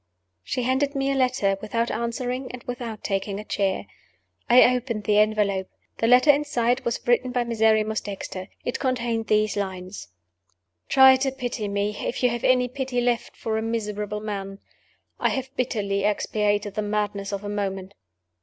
She handed me a letter without answering and without taking a chair. I opened the envelope. The letter inside was written by Miserrimus Dexter. It contained these lines: "Try to pity me, if you have any pity left for a miserable man; I have bitterly expiated the madness of a moment.